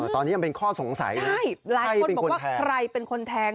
ตอนนี้เป็นข้อสงสัยหลายคนก็คือใครเป็นคนแทง